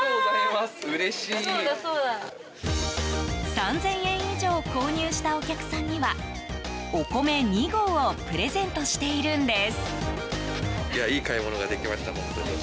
３０００円以上購入したお客さんにはお米２合をプレゼントしているんです。